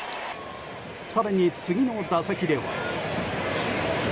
更に、次の打席では。